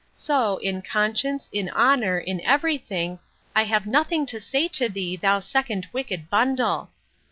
So, in conscience, in honour, in every thing, I have nothing to say to thee, thou second wicked bundle!